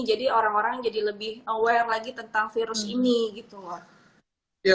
jadi orang orang jadi lebih aware lagi tentang virus ini gitu loh